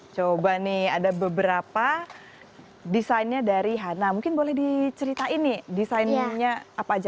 coba nih ada beberapa desainnya dari hanna mungkin boleh diceritain nih desainnya apa aja